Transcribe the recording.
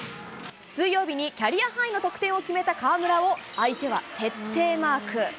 水曜日にキャリアハイの得点を決めた河村を、相手は徹底マーク。